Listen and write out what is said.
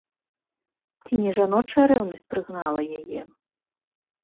Ці не жаночая рэўнасць прыгнала яе?